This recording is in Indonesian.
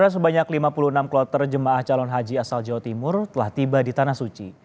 sebanyak lima puluh enam kloter jemaah calon haji asal jawa timur telah tiba di tanah suci